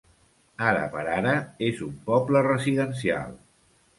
Ara per ara és un poble residencial.